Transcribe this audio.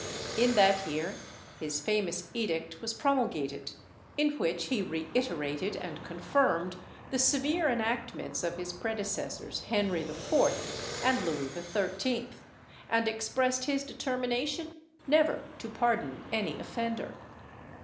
In that year his famous edict was promulgated, in which he reiterated and confirmed the severe enactments of his predecessors Henry IV. and Louis XIII., and expressed his determination never to pardon any offender.